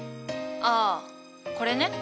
ああこれね。